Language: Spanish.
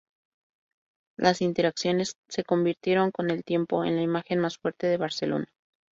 Las intersecciones se convirtieron con el tiempo en la imagen más fuerte de Barcelona.